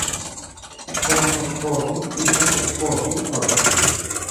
kuma tokkoo fi dhibba tokkoo fi torba